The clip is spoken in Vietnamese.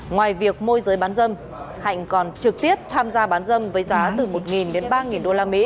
ngoài việc môi giới bán dâm hạnh còn trực tiếp tham gia bán dâm với giá từ một đến ba usd